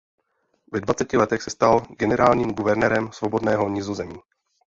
Ve dvaceti letech se stal generálním guvernérem Svobodného Nizozemí.